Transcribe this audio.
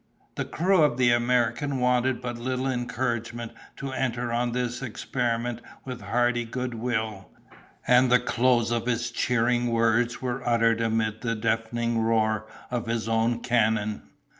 The crew of the American wanted but little encouragement to enter on this experiment with hearty good will, and the close of his cheering words were uttered amid the deafening roar of his own cannon.